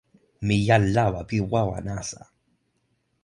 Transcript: mi jan lawa pi wawa nasa!